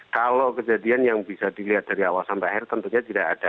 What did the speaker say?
kalau kejadian yang bisa dilihat dari awal sampai akhir tentunya tidak ada